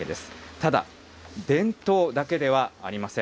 ただ、伝統だけではありません。